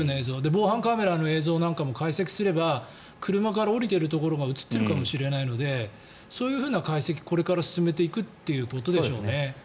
防犯カメラの映像なんかも解析すれば、車から降りているところが映っているかもしれないのでそういう解析をこれから進めていくということでしょうね。